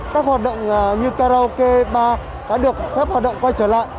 các hoạt động như karaoke ba đã được phép hoạt động quay trở lại